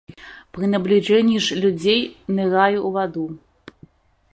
Пры набліжэнні ж людзей нырае ў ваду.